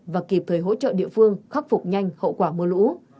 và kịp thời hỗ trợ địa phương khắc phục nhanh hậu quả mưa lũ